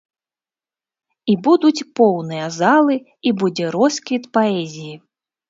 І будуць поўныя залы, і будзе росквіт паэзіі.